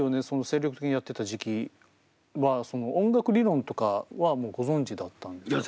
精力的にやってた時期はその音楽理論とかはもうご存じだったんですか？